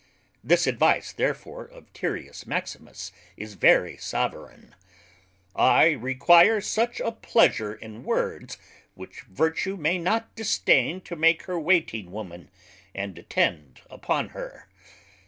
This advice therefore of Tyrius Maximus is very soveraign; _I require such a pleasure in words which Virtue may not disdain to make her Waiting woman and attend upon her.